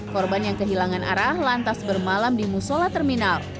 korban yang kehilangan arah lantas bermalam di musola terminal